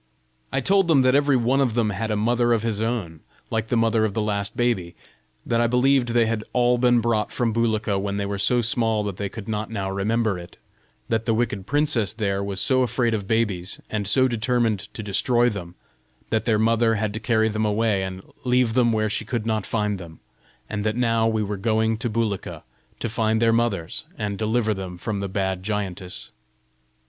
I told them that every one of them had a mother of his own, like the mother of the last baby; that I believed they had all been brought from Bulika when they were so small that they could not now remember it; that the wicked princess there was so afraid of babies, and so determined to destroy them, that their mothers had to carry them away and leave them where she could not find them; and that now we were going to Bulika, to find their mothers, and deliver them from the bad giantess.